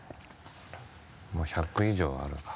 もう１００以上はあるか。